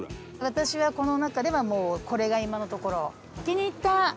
私はこの中ではもうこれが今のところ気に入った。